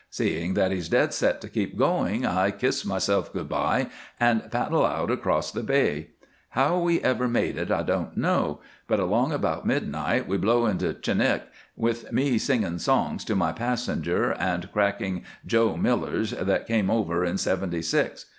Seeing that he's dead set to keep going, I kiss myself good by and paddle out across the bay. How we ever made it I don't know, but along about midnight we blow into Chinik, with me singing songs to my passenger and cracking 'Joe Millers' that came over in seventy six.